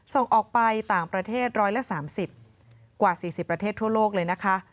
ส่งออกไปต่างประเทศ๑๓๐กว่า๔๐ประเทศทั่วโลกเลยนะคะ